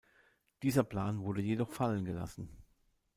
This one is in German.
Dieser Plan wurde jedoch fallengelassen.